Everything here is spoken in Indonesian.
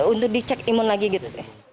untuk dicek imun lagi gitu